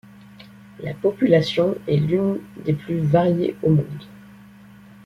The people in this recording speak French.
La population est l'une des plus variées au monde.